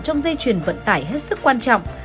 trong dây chuyền vận tải hết sức quan trọng